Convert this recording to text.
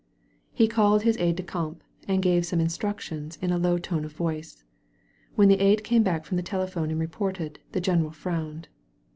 He called his aide de camp and gave some in structions in a low tone of voice. When the aide came back from the tdephone and reported, the general frowned.